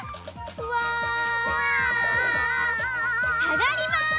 さがります。